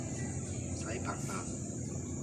洗白白